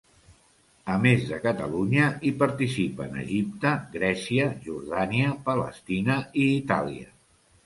A més de Catalunya, hi participen Egipte, Grècia, Jordània, Palestina i Itàlia.